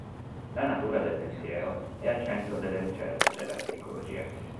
La natura del pensiero è al centro delle ricerche della psicologia.